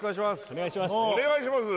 お願いします